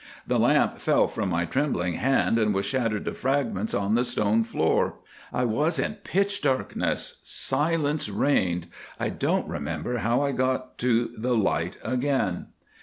The lamp fell from my trembling hand and was shattered to fragments on the stone floor. I was in pitch darkness—silence reigned—I don't remember how I got out to the light again.